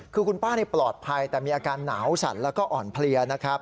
คือคุณป้าปลอดภัยแต่มีอาการหนาวสั่นแล้วก็อ่อนเพลียนะครับ